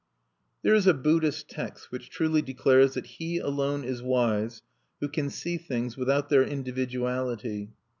There is a Buddhist text which truly declares that he alone is wise who can see things without their individuality.